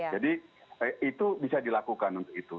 jadi itu bisa dilakukan untuk itu